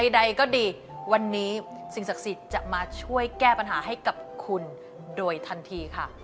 ใดก็ดีวันนี้สิ่งศักดิ์สิทธิ์